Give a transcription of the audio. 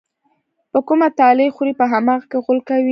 په کومه تالې خوري، په هماغه کې غول کوي.